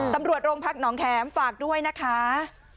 ตำรวจโรงพักหนองแขมฝากด้วยนะคะ